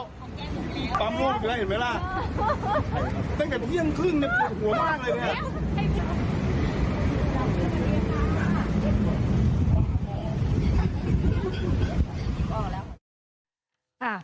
ฟัมม่วงไปแล้วเห็นไหมล่ะตั้งแต่เที่ยงครึ่งเนี้ยหัวมากเลยเนี้ย